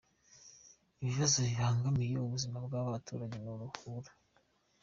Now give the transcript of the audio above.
Ibibazo bibangamiye ubuzima bw’aba baturage ni uruhuri.